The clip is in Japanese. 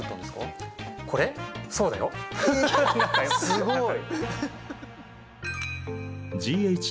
すごい！